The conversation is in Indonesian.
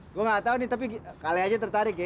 gue gak tau nih tapi kalian aja tertarik ya